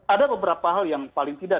ada beberapa hal yang paling tidak